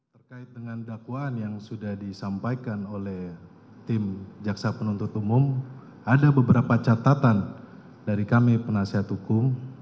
terkait dengan dakwaan yang sudah disampaikan oleh tim jaksa penuntut umum ada beberapa catatan dari kami penasihat hukum